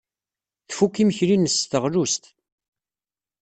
Tfuk imekli-nnes s teɣlust.